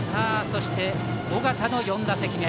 そして緒方の４打席目。